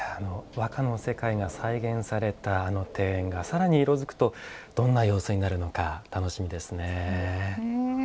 和歌の世界が再現された庭園がさらに色づくとどんな様子になるのか楽しみですね。